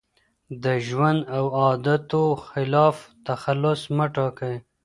د ژوند او عاداتو خلاف تخلص مه ټاکئ.